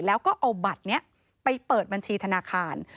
แล้วก็เอาบัตรนี้ไปเปิดบัญชีธนาคาร